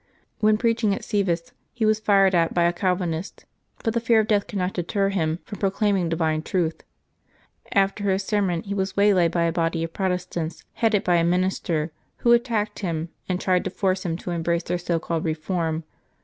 When preaching at Sevis he was fired at by a Calvinist, but the fear of death could not deter him from proclaiming divine truth. After his sermon he was way laid by a body of Protestants headed by a minister, who attacked him and tried to force him to embrace their so called reform.